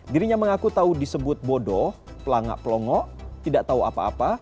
dirinya mengaku tahu disebut bodoh pelangak pelongok tidak tahu apa apa